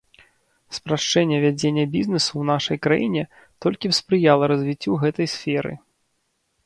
Спрашчэнне вядзення бізнэсу ў нашай краіне толькі б спрыяла развіццю гэтай сферы.